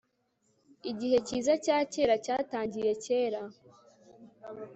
Igihe cyizacyakera cyatangiye kera